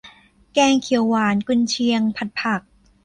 แกงเขียวหวาน กุนเชียง ผัดผัก